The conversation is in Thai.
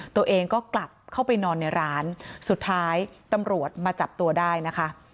ตัวเองก็กลับเข้าไปนอนในร้านสุดท้ายตำรวจมาจับตัวได้นะคะ